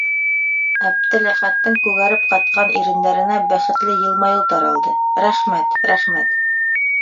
Әптеләхәттең күгәреп ҡатҡан ирендәренә бәхетле йылмайыу таралды: «Рәхмәт, рәхмәт...»